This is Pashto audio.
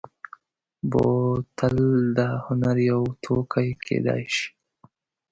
بوتل د هنر یو توکی کېدای شي.